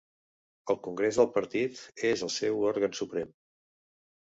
El Congrés del Partit és el seu òrgan suprem.